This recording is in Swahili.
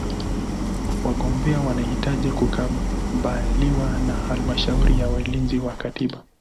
Wagombea wanahitaji kukubaliwa na Halmashauri ya Walinzi wa Katiba.